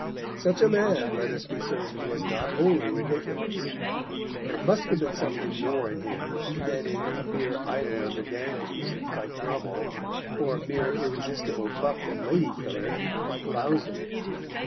Such a man, let us be certain, was not wholly ridiculous. There must have been something more in him than in a mere idol of the dandies, like Brummell, or a mere irresistible buck and lady killer, like Lauzun.